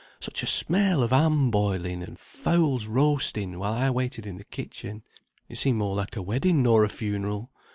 Such a smell of ham boiling and fowls roasting while I waited in the kitchen; it seemed more like a wedding nor a funeral.